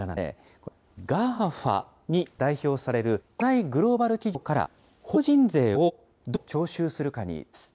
このＧＡＦＡに代表される、巨大グローバル企業から、法人税をどう徴収するかについてです。